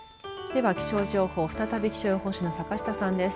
では、気象情報再び気象予報士の坂下さんです。